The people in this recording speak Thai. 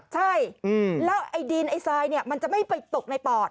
ใช่แล้วดินทรายมันจะไม่ไปตกในปอด